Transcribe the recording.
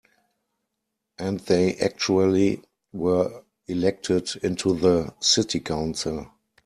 And they actually were elected into the city council.